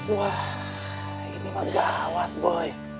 wah ini mah gawat boy